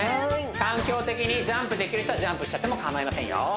環境的にジャンプできる人はジャンプしてもかまいませんよ